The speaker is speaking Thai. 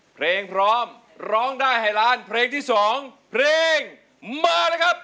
เพลงพร้อมร้องได้ให้ล้านเพลงที่๒เพลงมาเลยครับ